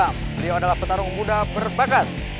beliau adalah petarung muda berbakat